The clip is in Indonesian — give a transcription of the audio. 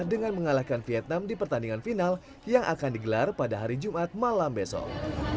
dengan mengalahkan vietnam di pertandingan final yang akan digelar pada hari jumat malam besok